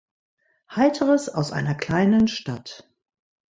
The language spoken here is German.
Heiteres aus einer kleinen Stadt".